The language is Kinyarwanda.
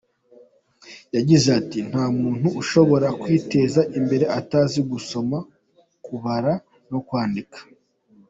Yagize ati “nta muntu ushobora kwiteza imbere atazi gusoma, kubara no kwandika.